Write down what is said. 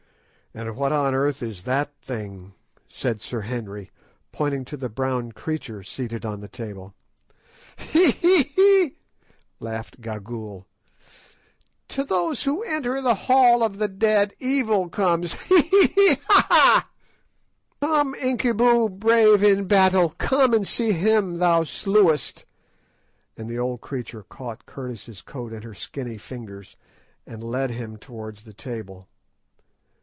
"And what on earth is that thing?" said Sir Henry, pointing to the brown creature seated on the table. "Hee! hee! hee!" laughed Gagool. "To those who enter the Hall of the Dead, evil comes. Hee! hee! hee! ha! ha!" "Come, Incubu, brave in battle, come and see him thou slewest;" and the old creature caught Curtis' coat in her skinny fingers, and led him away towards the table.